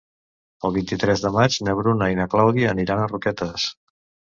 El vint-i-tres de maig na Bruna i na Clàudia aniran a Roquetes.